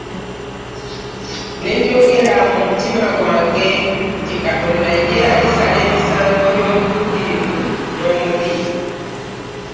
Ne njogera mu mutima gwange nti Katonda ye alisala emisango gy'omutuukirivu n'omubi.